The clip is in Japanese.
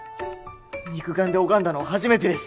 肉眼で拝んだのは初めてです。